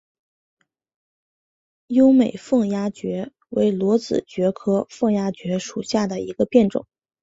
优美凤丫蕨为裸子蕨科凤丫蕨属下的一个变种。